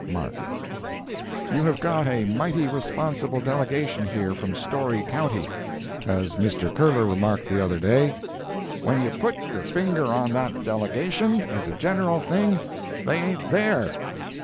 —MARK. You have got a mighty responsible delegation here from Storey county. As Mr. Curler remarked the other day, "When you put your finger on that delegation, as a general thing, they ain't there."